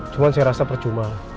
cuman saya rasa percuma